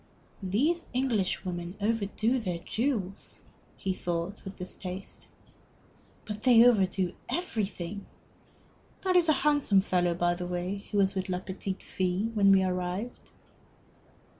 "These Englishwomen overdo their jewels," he thought, with distaste. "But they overdo everything. That is a handsome fellow, by the way, who was with la petite fée when we arrived."